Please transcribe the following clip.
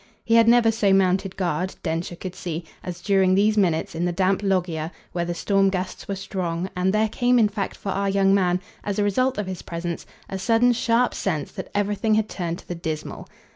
He had never so mounted guard, Densher could see, as during these minutes in the damp loggia where the storm gusts were strong; and there came in fact for our young man, as a result of his presence, a sudden sharp sense that everything had turned to the dismal.